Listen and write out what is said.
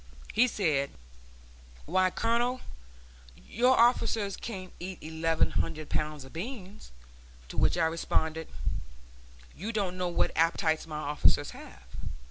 He said, "Why, Colonel, your officers can't eat eleven hundred pounds of beans," to which I responded, "You don't know what appetites my officers have."